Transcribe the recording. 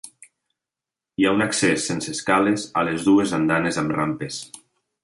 Hi ha un accés sense escales a les dues andanes amb rampes.